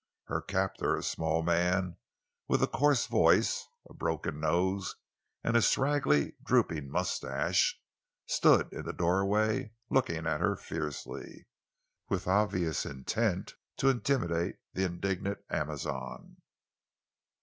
Her captor—a small man with a coarse voice, a broken nose, and a scraggy, drooping mustache—stood in the doorway looking at her fiercely, with obvious intent to intimidate the indignant Amazon.